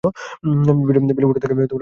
বিলে ফুটে থাকে অজস্র লাল শাপলা।